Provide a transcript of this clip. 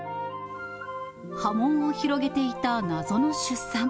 波紋を広げていた謎の出産。